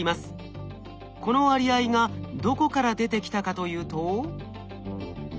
この割合がどこから出てきたかというと。